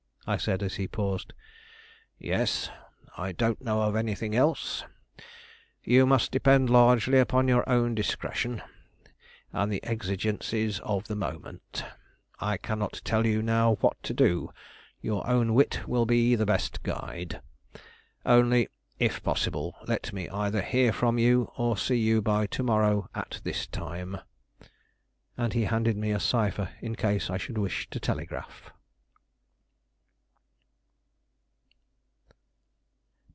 I said, as he paused. "Yes, I don't know of anything else. You must depend largely upon your own discretion, and the exigencies of the moment. I cannot tell you now what to do. Your own wit will be the best guide. Only, if possible, let me either hear from you or see you by to morrow at this time." And he handed me a cipher in case I should wish to telegraph.